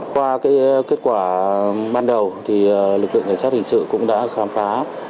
qua kết quả ban đầu lực lượng cảnh sát hình sự cũng đã khám phá